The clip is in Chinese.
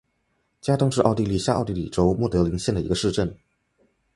加登是奥地利下奥地利州默德林县的一个市镇。